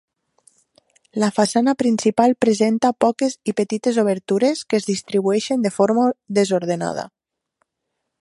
La façana principal presenta poques i petites obertures que es distribueixen de forma desordenada.